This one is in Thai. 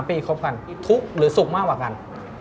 ปีคบกันทุกข์หรือสุขมากกว่ากัน